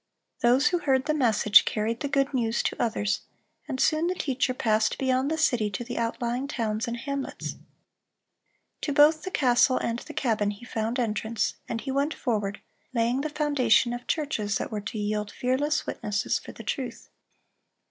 Those who heard the message, carried the good news to others, and soon the teacher passed beyond the city to the outlying towns and hamlets. To both the castle and the cabin he found entrance, and he went forward, laying the foundation of churches that were to yield fearless witnesses for the truth.